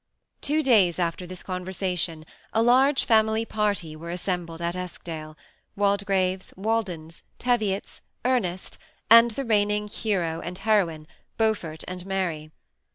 Two days after this conversation, a large family party were assembled at Eskdale: Waldegraves, Waldens, Teviots, Ernest, and the reigning hero and heroine, Beaufort and Mary.